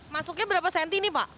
masuknya berapa cm ini pak